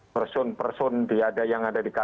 person person yang ada di kpk yang minta